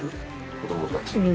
子どもたちに？